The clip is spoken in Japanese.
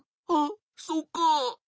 あっそうか。